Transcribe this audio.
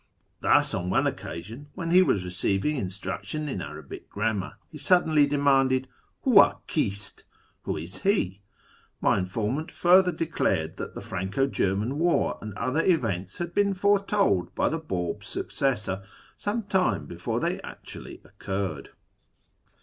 Thus, on one occasion when he was receiving instruction in Arabic grammar, he suddenly demanded, " 'Huwa hist ?"(" Who is ' He '?") My informant further declared that the Franco German war and other events had been foretold by the Bab's successor ^ sometime before they actually occurred.